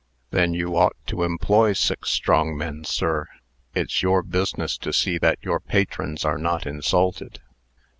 "Then you ought to employ six strong men, sir. It's your business to see that your patrons are not insulted."